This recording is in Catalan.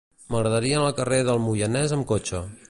M'agradaria anar al carrer del Moianès amb cotxe.